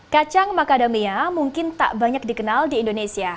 kacang macadamia mungkin tak banyak dikenal di indonesia